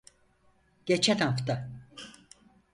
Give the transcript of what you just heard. Geçen hafta.